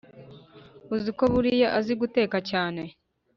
uziko buriya azi guteka cyane